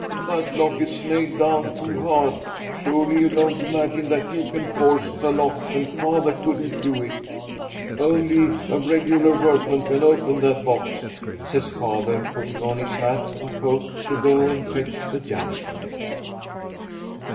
"That lock is nailed down too hard. Surely you don't imagine that you can force the lock when father couldn't do it? Only a regular workman can open that box," says father, putting on his hat and coat to go and fetch the janitor.